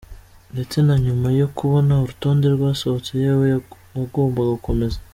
Ndetse na nyuma yo kubona urutonde rwasohotse yewe, wagomba kukomeza.